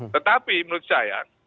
tetapi menurut saya